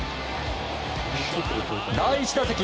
第１打席